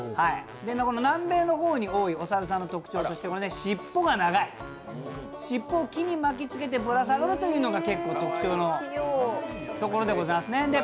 南米の方に多いお猿さんの特徴としては尻尾が長い、尻尾を木に巻きつけてぶら下がるというのが結構、特徴のところでございますね。